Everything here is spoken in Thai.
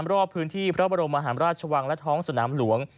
รอบพื้นที่พระบรมมหาราชวังและท้องสนามหลวง